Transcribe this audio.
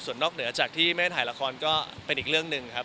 นอกเหนือจากที่ไม่ได้ถ่ายละครก็เป็นอีกเรื่องหนึ่งครับ